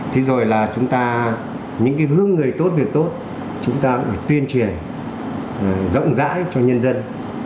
thế rồi là chúng ta những cái hướng người tốt việc tốt chúng ta cũng phải tuyên truyền rộng rãi cho nhân dân